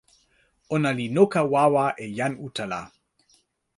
ona li noka wawa e jan utala.